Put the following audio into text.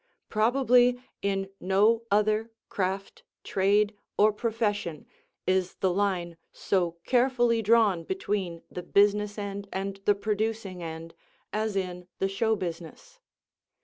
Probably in no other craft, trade or profession is the line so carefully drawn between the business end and the producing end as in the show business.